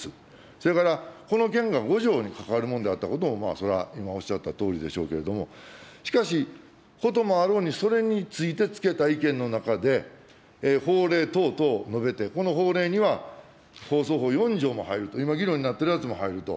それから、この件が５条に関わるものであったことを、それは今おっしゃったとおりでしょうけど、しかし、こともあろうに、それについてつけた意見の中で、法令等々述べて、この法令には、放送法４条も入ると、今、議論になっているやつも入ると。